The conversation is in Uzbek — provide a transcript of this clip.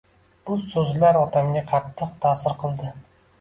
Bu so'zlar otamga qattiq ta'sir qildi